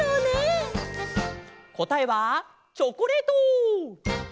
こたえはチョコレート！